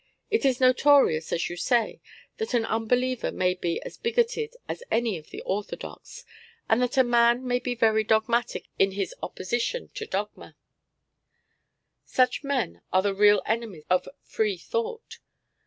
It is notorious, as you say, that an unbeliever may be as bigoted as any of the orthodox, and that a man may be very dogmatic in his opposition to dogma. Such men are the real enemies of free thought.